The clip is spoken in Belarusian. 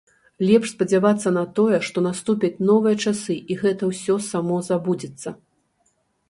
Лепш спадзявацца на тое, што наступяць новыя часы, і гэта ўсё само забудзецца.